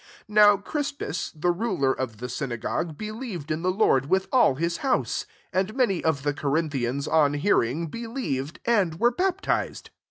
8 Now Crispus, the ruler of the syna gogue, believed in the Lord with all his house : and many of the Corinthians, on hearing, believed, and were baptized.